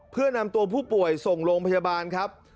เพื่อนำตัวผู้ป่วยส่งโรงพยาบาลครับ